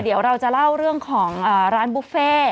เดี๋ยวเราจะเล่าเรื่องของร้านบุฟเฟ่